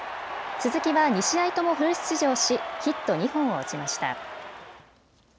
鈴木は２試合ともフル出場しヒット２本を打ちました。